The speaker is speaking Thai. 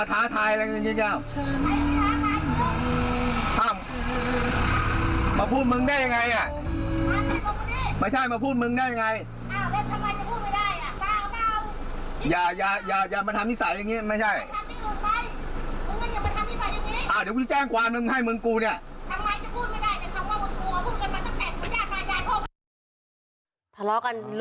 เธออยากขอร้อง